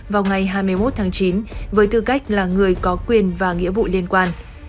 vào ngày hai mươi một tháng chín với tư cách là người có quyền và nghĩa vụ liên quan